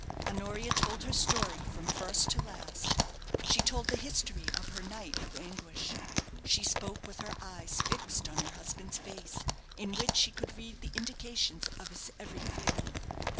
Honoria told her story from first to last; she told the history of her night of anguish. She spoke with her eyes fixed on her husband's face, in which she could read the indications of his every feeling.